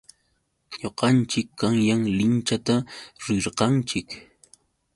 Ñuqanchik qanyan linchata rirqanchik.